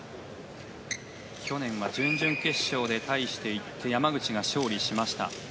去年は準々決勝で対していって山口が勝利しました。